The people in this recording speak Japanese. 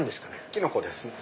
キノコです。